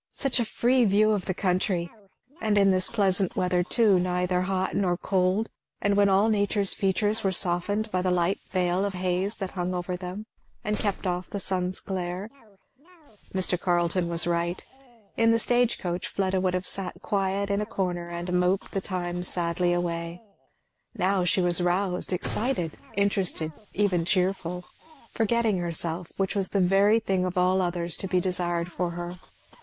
Such a free view of the country! and in this pleasant weather too, neither hot nor cold, and when all nature's features were softened by the light veil of haze that hung over them and kept off the sun's glare. Mr. Carleton was right. In the stage coach Fleda would have sat quiet in a corner and moped the time sadly away, now she was roused, excited, interested, even cheerful; forgetting herself, which was the very thing of all others to be desired for her.